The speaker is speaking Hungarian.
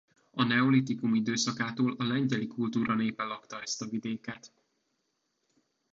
A neolitikum időszakától a lengyeli kultúra népe lakta ezt a vidéket.